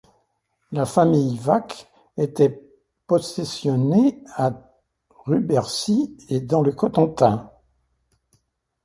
La famille Wac était possessionnée à Rubercy et dans le Cotentin.